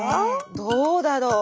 どうだろう。